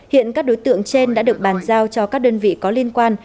hiện các đối tượng trên đã được bàn giao cho các đơn vị có liên quan